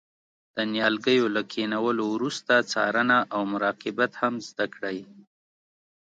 د نیالګیو له کینولو وروسته څارنه او مراقبت هم زده کړئ.